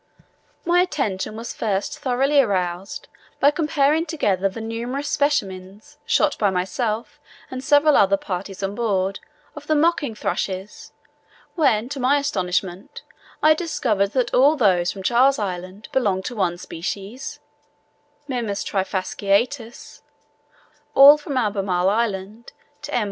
My attention was first thoroughly aroused, by comparing together the numerous specimens, shot by myself and several other parties on board, of the mocking thrushes, when, to my astonishment, I discovered that all those from Charles Island belonged to one species (Mimus trifasciatus) all from Albemarle Island to M.